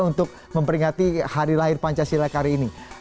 untuk memperingati hari lahir pancasila kali ini